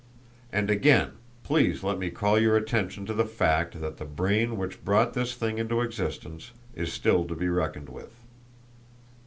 And again, please let me call your attention to the fact that the brain which brought this thing into existence is still to be reckoned with.